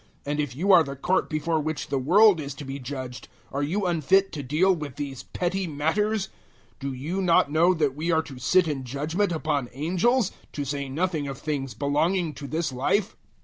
And if you are the court before which the world is to be judged, are you unfit to deal with these petty matters? 006:003 Do you not know that we are to sit in judgement upon angels to say nothing of things belonging to this life?